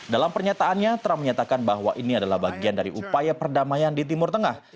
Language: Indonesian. dalam pernyataannya trump menyatakan bahwa ini adalah bagian dari upaya perdamaian di timur tengah